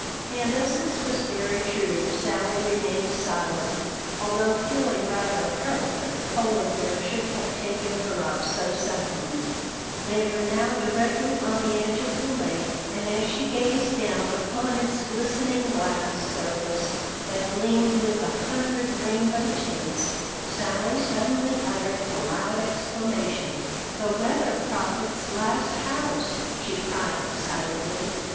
And as this was very true, Sally remained silent, although feeling rather hurt that the Polar Bear should have taken her up so suddenly. They were now directly on the edge of the lake, and as she gazed down upon its glistening glass surface that gleamed with a hundred rainbow tints, Sally suddenly uttered a loud exclamation, "The Weather Prophet's glass house!" she cried excitedly.